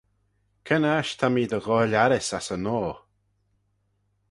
Cre'n aght ta mee dy ghoaill arrys ass-y-noa?